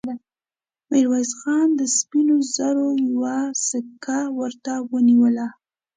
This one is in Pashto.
ميرويس خان د سپينو زرو يوه سيکه ورته ونيوله.